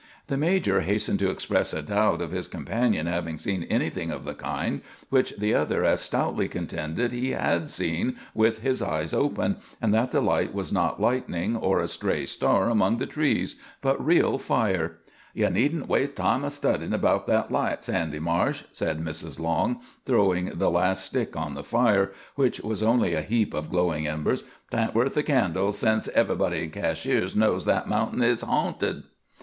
The major hastened to express a doubt of his companion having seen anything of the kind, which the other as stoutly contended he had seen with his eyes open, and that the light was not lightning or a stray star among the trees, but real fire. "Ye needn't waste time studyin' 'bout that light, Sandy Marsh," said Mrs. Long, throwing the last stick on the fire, which was only a heap of glowing embers. "'T ain't worth the candle, since everybody in Cashiers knows that mountain is harnted."